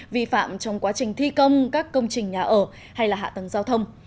vi phạm trong quá trình thi công các công trình nhà ở hay là hạ tầng giao thông